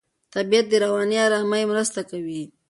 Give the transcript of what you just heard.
طبیعت د رواني آرامۍ مرسته کوي.